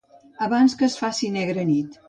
Abans que es faci negra nit.